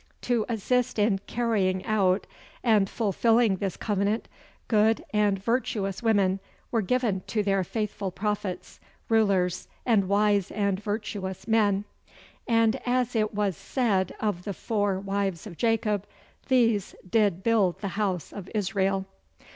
To assist in carrying out and fulfilling this covenant, good and virtuous women were given to their faithful Prophets, rulers, and wise and virtuous men; and, as it was said of the four wives of Jacob, "These did build the house of Israel."